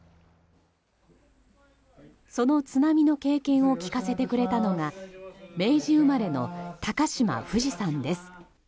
その津波の経験を聞かせてくれたのが明治生まれの高嶋フジさんです。